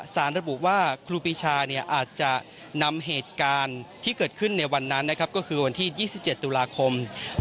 สารระบุว่าครูปีชาอาจจะนำเหตุการณ์ที่เกิดขึ้นในวันนั้นนะครับก็คือวันที่๒๗ตุลาคม